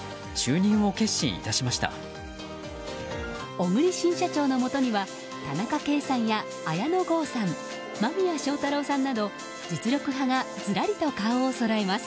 小栗新社長のもとには田中圭さんや綾野剛さん間宮祥太朗さんなど実力派がずらりと顔をそろえます。